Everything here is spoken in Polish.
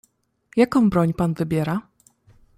"Jaką broń pan wybiera?"